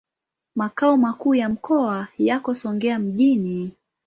Makao makuu ya mkoa yako Songea mjini.